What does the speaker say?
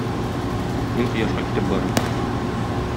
Мин Кояшка китеп барам!